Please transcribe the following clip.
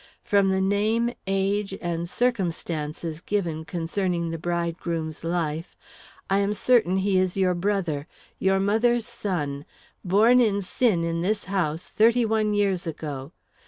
From the name, age, and circumstances given concerning the bridegroom's life, I am certain he is your brother, your mother's son, born in sin in this house thirty one years ago.